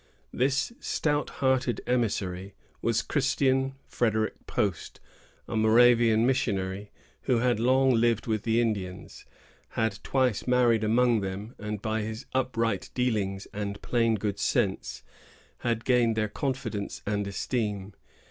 This stout hearted emissary was Christian Frederic Post, a Moravian missionary, who had long lived with the Indians, had twice married among them, and, by his upright dealings and plain good sense, had gained their confidence and esteem.